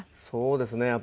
そうですね。